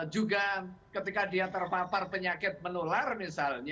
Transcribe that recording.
juga ketika dia terpapar penyakit menular misalnya